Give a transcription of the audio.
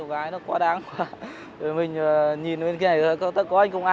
đi uống trà sữa không